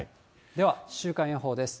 では週間予報です。